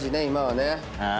今はね。